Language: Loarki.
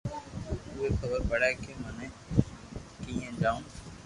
اووي خبر پڙي ڪي مني ڪيئي جاو